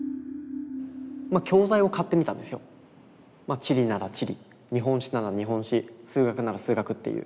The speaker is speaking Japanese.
地理なら地理日本史なら日本史数学なら数学っていう。